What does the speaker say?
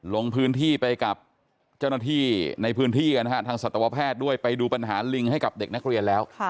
ลงพื้นที่ไปกับเจ้าหน้าที่ในพื้นที่กันนะฮะทางสัตวแพทย์ด้วยไปดูปัญหาลิงให้กับเด็กนักเรียนแล้ว